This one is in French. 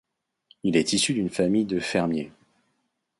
Il est issu d'une famille de fermiers.